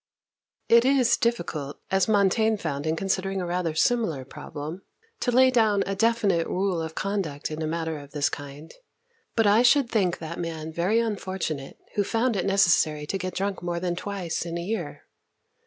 It is difficult, as Montaigne found in considering a rather similar problem, to lay down a definite rule of conduct in a matter of this kind, but I should think that man very unfor tunate who found it necessary to get drunk more than twice in a year.